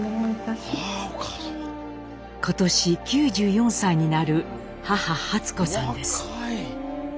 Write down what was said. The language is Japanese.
今年９４歳になる母初子さんです。